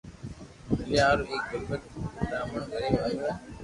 مليا ھارو ايڪ غريب براھمڻ آويو ھي